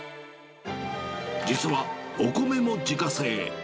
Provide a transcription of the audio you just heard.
実はお米も自家製。